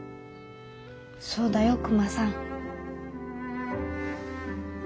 そうだよクマさん。